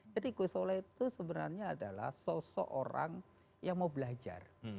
jadi gus solah itu sebenarnya adalah sosok orang yang mau belajar